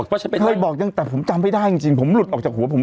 ว่าจะมาให้บอกจังแต่ผมจำไม่ได้จริงจริงผมหลุดออกจากหัวผม